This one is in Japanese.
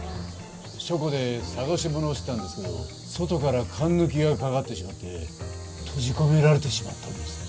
書庫で捜し物をしてたんですけど外からかんぬきがかかってしまって閉じ込められてしまったんです。